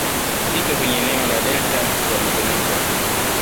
Iko kwenye eneo la delta ya "mto Niger".